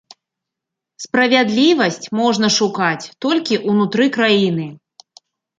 Справядлівасць можна шукаць толькі ўнутры краіны.